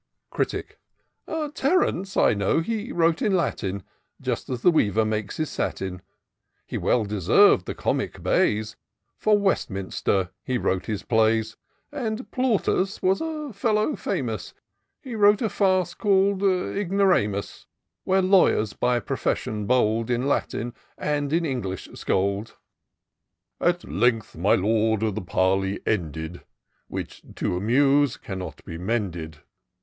309 Critic. " Terence, I know, he wrote in Latin, Just as a weaver makes his satin ; He well deserVd the comic hays : For Westminster he wrote his plays ; And Plautus was a fellow famous, He wrote a Farce call'd Ignoramus ; Where Lawyers, by profession bold. In Latin and in English scold." " At length, my Lord, the parley ended : Which, to amuse, cannot be mended.